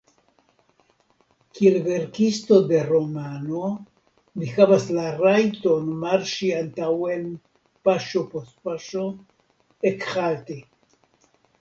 Kiel verkisto de romano mi havas la rajton marŝi antaŭen, paŝon post paŝo, ekhalti.